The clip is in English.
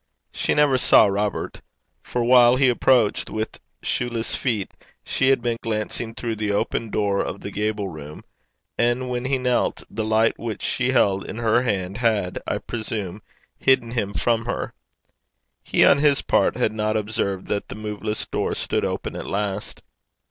She never saw Robert; for while he approached with shoeless feet, she had been glancing through the open door of the gable room, and when he knelt, the light which she held in her hand had, I presume, hidden him from her. He, on his part, had not observed that the moveless door stood open at last.